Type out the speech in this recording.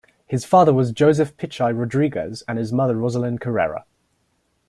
His father was Joseph Pichai Rodriguez and his mother Roselin Correra.